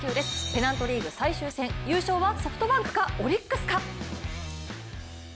ペナントリーグ最終戦、優勝はソフトバンクかオリックスか？